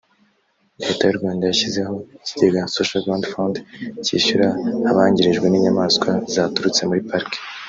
Leta y’u Rwanda yashyizeho ikigega Social Grant Fund cyishyura abangirijwe n’inyamaswa zaturutse muri Pariki